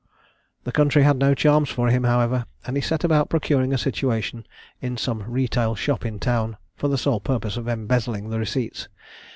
The country had no charms for him, however, and he set about procuring a situation in some retail shop in town, for the sole purpose of embezzling the receipts.